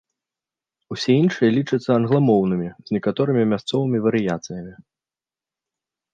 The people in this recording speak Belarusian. Усе іншыя лічацца англамоўнымі, з некаторымі мясцовымі варыяцыямі.